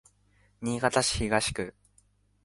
新潟市東区